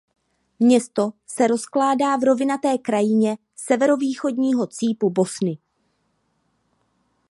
Město se rozkládá v rovinaté krajině severovýchodního cípu Bosny.